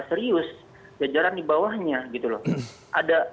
serius jajaran di bawahnya